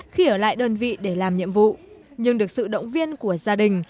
khi ở lại đơn vị để làm nhiệm vụ nhưng được sự động viên của gia đình